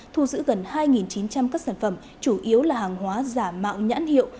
thu giữ gần hai chín trăm linh các sản phẩm chủ yếu là hàng hóa giả mạo nhãn hiệu